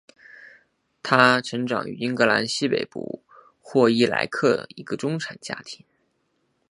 她成长于英格兰西北部霍伊莱克一个中产家庭。